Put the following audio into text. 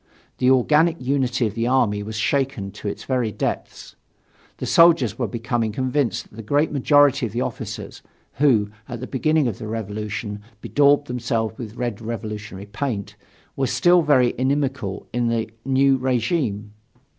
The organic unity of the army was shaken to its very depths. The soldiers were becoming convinced that the great majority of the officers, who, at the beginning of the revolution, bedaubed themselves with red revolutionary paint, were still very inimical to the new regime.